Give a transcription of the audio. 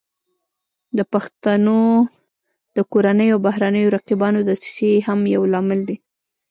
د پښتنو د کورنیو او بهرنیو رقیبانو دسیسې هم یو لامل دی